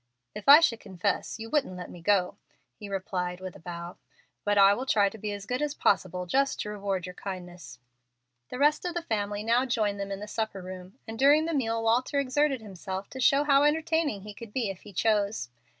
"If I should confess you wouldn't let me go," he replied with a bow. "But I will try to be as good as possible, just to reward your kindness." The rest of the family now joined them in the supper room, and during the meal Walter exerted himself to show how entertaining he could be if he chose.